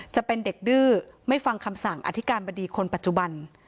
จะเป็นเด็กดื้อไม่ฟังคำสั่งอธิการบดีคนปัจจุบัน